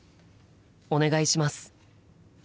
お願いします。